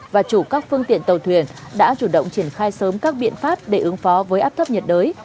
và chủ các phương tiện tàu thuyền đã chủ động triển khai sớm các biện pháp để ứng phó với áp thấp nhiệt đới